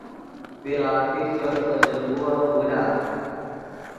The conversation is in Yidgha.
بی غافل چوئے پے زل غووف غولار